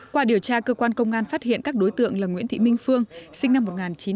qua điều tra cơ quan công an phát hiện các đối tượng là nguyễn thị minh phương sinh năm một nghìn chín trăm tám mươi